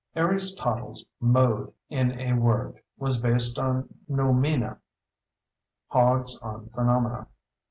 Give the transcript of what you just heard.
Aries Tottle's mode, in a word, was based on noumena; Hog's on phenomena.